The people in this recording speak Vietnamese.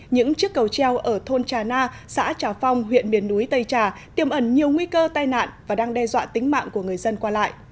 những chiếc cầu treo ở thôn trà na xã trà phong huyện miền núi tây trà tiêm ẩn nhiều nguy cơ tai nạn và đang đe dọa tính mạng của người dân qua lại